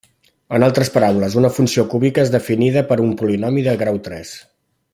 En altres paraules, una funció cúbica és definida per un polinomi de grau tres.